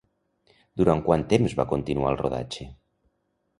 Durant quant temps va continuar el rodatge?